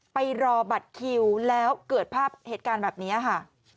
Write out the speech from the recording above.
ไปรอบัตรคิวแล้วเกิดภาพเหตุการณ์แบบนี้ค่ะ